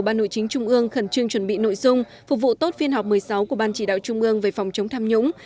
ban nội chính trung ương khẩn trương chuẩn bị nội dung phục vụ tốt phiên họp một mươi sáu của ban chỉ đạo trung ương về phòng chống tham nhũng